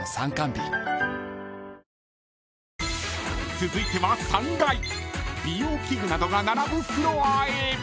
［続いては３階美容器具などが並ぶフロアへ］